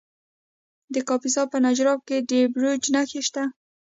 د کاپیسا په نجراب کې د بیروج نښې شته.